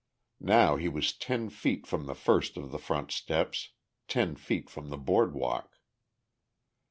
Now he was ten feet from the first of the front steps, ten feet from the board walk.